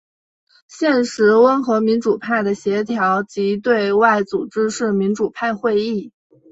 现时温和民主派的协调及对外组织是民主派会议。